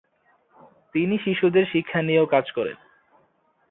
তিনি শিশুদের শিক্ষা নিয়েও কাজ করেন।